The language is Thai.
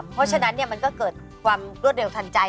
เพราะฉะนั้นมันก็เกิดความรวดเร็วทันใจ